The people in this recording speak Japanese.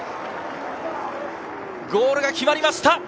ゴールが決まりました！